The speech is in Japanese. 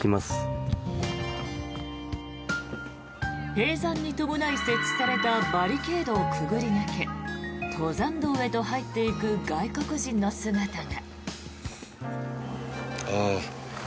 閉山に伴い設置されたバリケードをくぐり抜け登山道へと入っていく外国人の姿が。